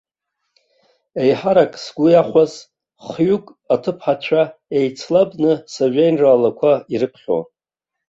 Еиҳарак сгәы иахәаз хҩык аҭыԥҳацәа еицлабны сажәеинраалақәа ирыԥхьон.